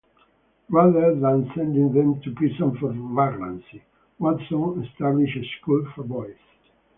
Rather than sending them to prison for vagrancy, Watson established a school for boys.